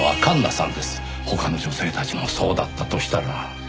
他の女性たちもそうだったとしたら。